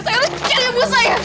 saya harus cari ibu saya